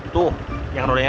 tuh yang rodanya dua puluh